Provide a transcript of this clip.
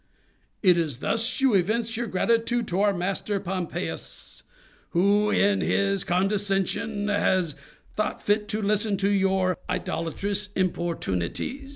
Is it thus you evince your gratitude to our master Pompeius, who, in his condescension, has thought fit to listen to your idolatrous importunities?